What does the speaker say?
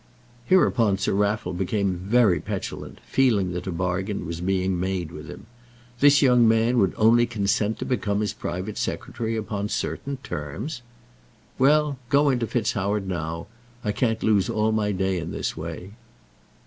Hereupon Sir Raffle became very petulant, feeling that a bargain was being made with him. This young man would only consent to become his private secretary upon certain terms! "Well, go in to FitzHoward now. I can't lose all my day in this way."